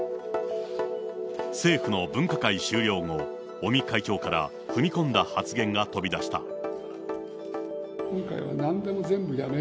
政府の分科会終了後、尾身会長から踏み込んだ発言が飛び出した。